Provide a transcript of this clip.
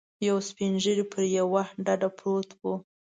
یو سپین ږیری پر یوه ډډه پروت و.